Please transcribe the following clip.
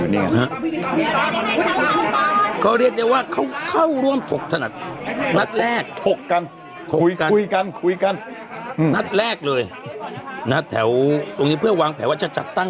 เบาเหรียญว่าก็เข้าร่วมปกถนัดแรกถกกันคุยกันคุยกันนัดแรกเลยนะแถวตัวอย่างแผลว่าจะจัดตั้ง